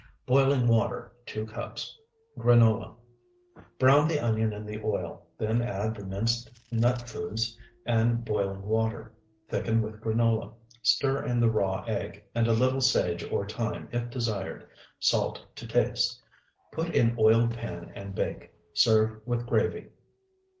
Boiling water, 2 cups. Granola. Brown the onion in the oil, then add the minced nut foods and boiling water. Thicken with granola. Stir in the raw egg, and a little sage or thyme if desired. Salt to taste. Put in oiled pan and bake. Serve with gravy.